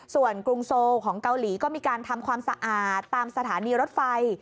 ส่วนกรุงโซลของเกาหลีก็มีการทำความสะอาดตามสถานีรถไฟ